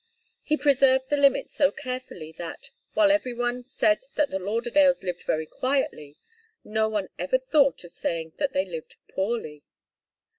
He preserved the limits so carefully that, while every one said that the Lauderdales lived very quietly, no one ever thought of saying that they lived poorly.